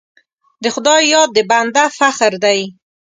د خدای یاد د بنده فخر دی.